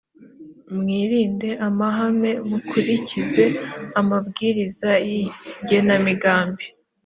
mwirinde amahame mukurikize amabwiriza yigenamigambi